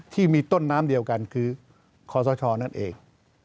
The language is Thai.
ที่มีต้นน้ำเดียวกันคือคอสชนั่นเอง